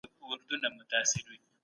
ده د پښتو ژبې لومړنی ادبي مکتب جوړ کړ